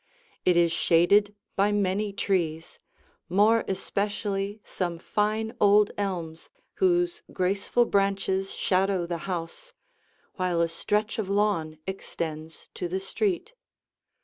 It is shaded by many trees, more especially some fine old elms whose graceful branches shadow the house, while a stretch of lawn extends to the street.